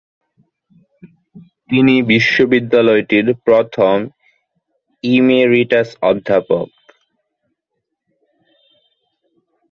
তিনি বিশ্ববিদ্যালয়টির প্রথম ইমেরিটাস অধ্যাপক।